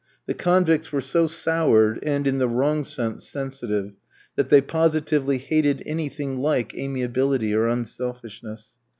The convicts were so soured and, in the wrong sense, sensitive, that they positively hated anything like amiability or unselfishness.